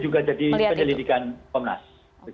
juga jadi penyelidikan komnas